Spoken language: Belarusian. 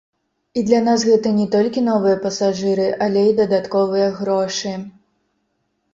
І для нас гэта не толькі новыя пасажыры, але і дадатковыя грошы.